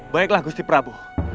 baiklah gusti prabu